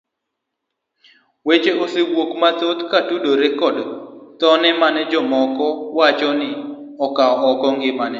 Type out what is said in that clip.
Weche osewuok mathoth kotudore koda thone ka jomoko wacho ni nokawo oko ngimane.